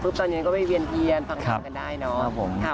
ดูเสร็จปุ๊บตอนนี้ก็ไม่เวียนเทียนฟังทางกันได้เนาะ